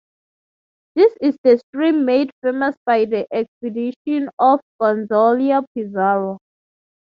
This is the stream made famous by the expedition of Gonzalo Pizarro.